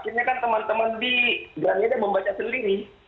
akhirnya kan teman teman di grand membaca sendiri